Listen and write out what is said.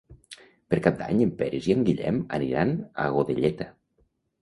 Per Cap d'Any en Peris i en Guillem aniran a Godelleta.